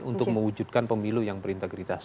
untuk mewujudkan pemilu yang berintegritas